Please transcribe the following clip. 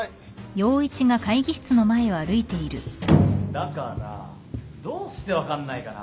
・・だからどうして分かんないかな。